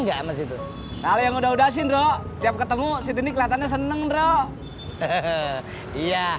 sampai jumpa di video selanjutnya